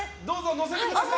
載せてください！